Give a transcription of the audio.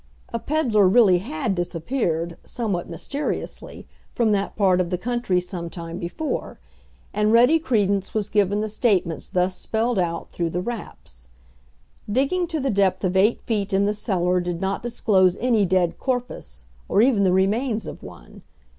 A peddler really had disappeared, somewhat mysteriously, from that part of the country some time before; and ready credence was given the statements thus spelled out through the "raps." Digging to the depth of eight feet in the cellar did not disclose any "dead corpus," or even the remains of one.